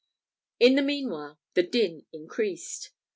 In the meanwhile, the din increased.